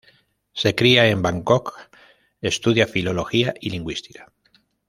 Se cría en Bangkok; estudia filología y lingüística.